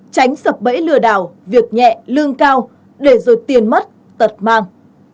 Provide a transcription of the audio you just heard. tránh sập bẫy lừa đảo việc nhẹ lương cao để rồi tiền mất tật mang